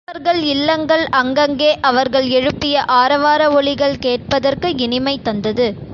உழவர்கள் இல்லங்கள் அங்கங்கே அவர்கள் எழுப்பிய ஆரவார ஒலிகள் கேட்பதற்கு இனிமை தந்தது.